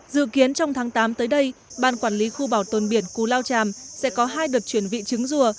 dự kiến trong tháng tám tới đây ban quản lý khu bảo tồn biển cù lao tràm sẽ có hai đợt chuyển vị trứng rùa